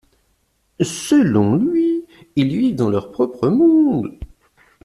Selon lui, ils vivent dans leur propre monde.